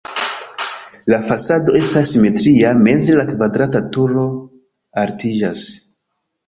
La fasado estas simetria, meze la kvadrata turo altiĝas.